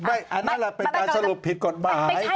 อันนั้นแหละเป็นการสรุปผิดกฎหมาย